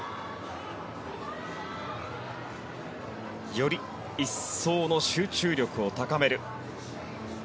より一層の集中力を高める。